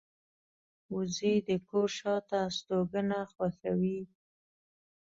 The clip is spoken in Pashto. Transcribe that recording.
وزې د کور شاته استوګنه خوښوي